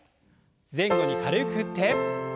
前後に軽く振って。